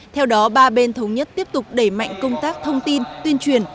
theo đó ba bên thống nhất tiếp tục đẩy mạnh công tác thông tin tuyên truyền